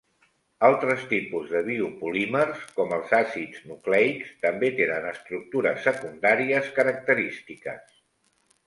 Altres tipus de biopolímers com els àcids nucleics també tenen estructures secundàries característiques.